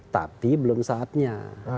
tapi belum saatnya